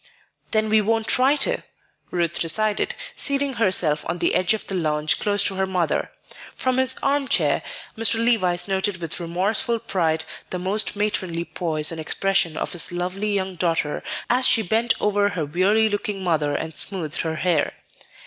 "Then we won't try to," Ruth decided, seating herself on the edge of the lounge close to her mother. From his armchair, Mr. Levice noted with remorseful pride the almost matronly poise and expression of his lovely young daughter as she bent over her weary looking mother and smoothed her hair.